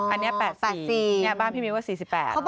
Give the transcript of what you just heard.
อันนี้๘๘๔เนี่ยบ้านพี่มิ้วว่า๔๘